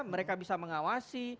mereka bisa mengawasi